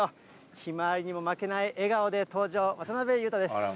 ひまわりにも負けない笑顔で登場、渡辺裕太です。